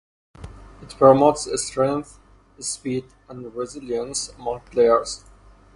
It promotes strength, speed, and resilience among players.